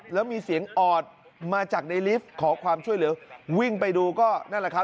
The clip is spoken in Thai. แล้วมีเสียงออดมาจากในลิฟต์ขอความช่วยเหลือวิ่งไปดูก็นั่นแหละครับ